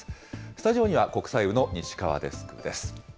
スタジオには、国際部の西河デスクです。